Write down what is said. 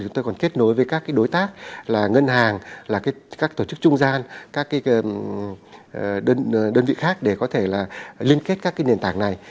chúng tôi còn kết nối với các đối tác là ngân hàng các tổ chức trung gian các đơn vị khác để có thể liên kết các nền tảng này